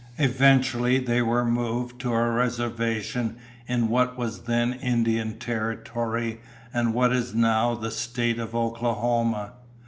Eventually they were moved to a reservation in what was then Indian Territory and what is now the State of Oklahoma.